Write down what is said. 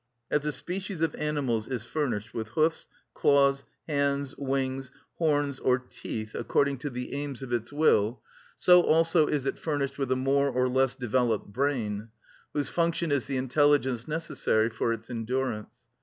As a species of animals is furnished with hoofs, claws, hands, wings, horns, or teeth according to the aims of its will, so also is it furnished with a more or less developed brain, whose function is the intelligence necessary for its endurance.